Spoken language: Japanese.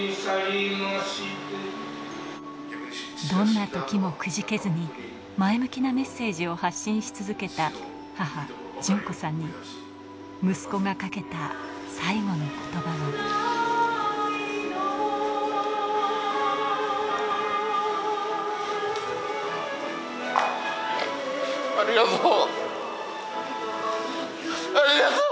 どんな時もくじけずに、前向きなメッセージを発信し続けた母・順子さんに息子がかけた最後の言葉は。